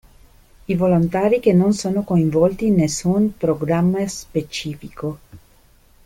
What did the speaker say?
I volontari che non sono coinvolti in nessun programma specifico.